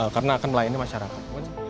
karena akan melayani masyarakat